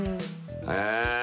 へえ！